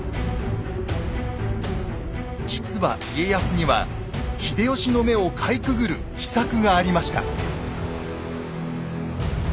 実は家康には秀吉の目をかいくぐる秘策がありました。